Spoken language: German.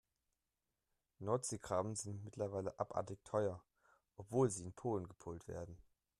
Nordseekrabben sind mittlerweile abartig teuer, obwohl sie in Polen gepult werden.